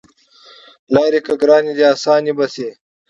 لاری که ګرانې دي اسانې به شي